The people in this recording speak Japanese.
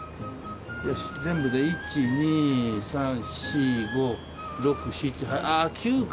よし全部で１２３４５６７８あ９か。